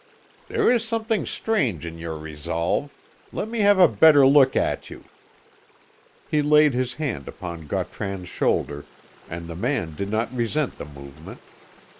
"There is something strange in your resolve. Let me have a better look at you." He laid his hand upon Gautran's shoulder, and the man did not resent the movement.